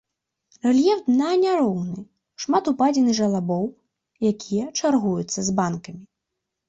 Рэльеф дна няроўны, шмат упадзін і жалабоў, якія чаргуюцца з банкамі.